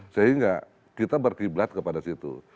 sehingga kita berkiblat kepada situ